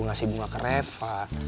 kasih bunga ke reva